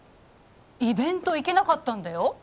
イベント行けなかったんだよ？